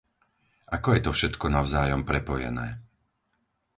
Ako je to všetko navzájom prepojené?